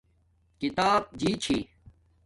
کتاب جی چھی